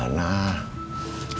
memangnya mau kemana